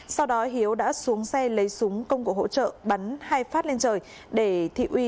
sau đó hiếu đã xuống xe lấy súng công cụ hỗ trợ bắn hai phát lên trời để thị uy